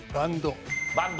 バンド。